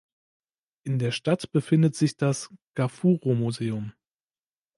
In der Stadt befindet sich das Ghafurow-Museum.